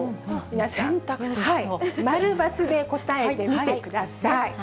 皆さん、〇×で答えてみてください。